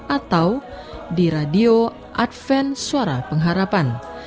atau di radio advent suara pengharapan